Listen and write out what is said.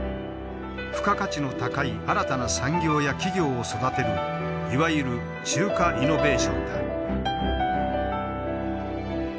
付加価値の高い新たな産業や企業を育てるいわゆる中華イノベーションだ。